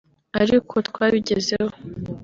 ariko twabigezeho